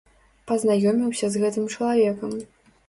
Пазнаёміўся з гэтым чалавекам.